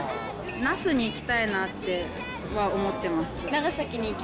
那須に行きたいなっては思ってます。